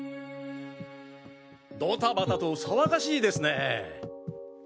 ドタバタと騒がしいですねぇ。